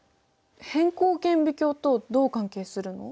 偏光顕微鏡とどう関係するの？